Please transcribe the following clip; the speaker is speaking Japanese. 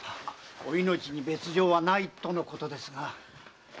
お命に別状はないとのことですが。